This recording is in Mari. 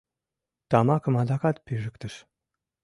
Тамакым адакат пижыктыш.